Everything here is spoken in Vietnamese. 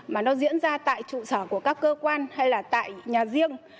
mà nó diễn ra tại trụ sở của các cơ quan hay là tại nhà riêng